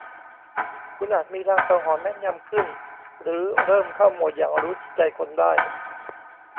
คุณอาจมีลางสังหรณ์แม่นยำขึ้นหรือเริ่มเข้าโหมดหยั่งรู้จิตใจคนได้